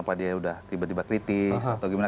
apakah dia sudah tiba tiba kritis atau gimana